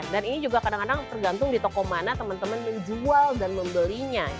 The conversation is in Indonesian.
dan ini juga kadang kadang tergantung di toko mana teman teman menjual dan membelinya